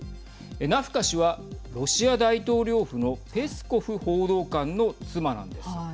ナフカ氏はロシア大統領府のペスコフ報道官の妻なんです。